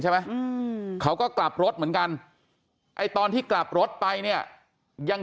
ใช่ไหมเขาก็กลับรถเหมือนกันไอ้ตอนที่กลับรถไปเนี่ยยัง